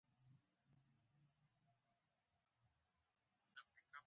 د میلوما د پلازما حجرو سرطان دی.